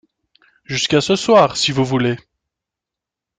Jusqu’à ce soir, si vous voulez !…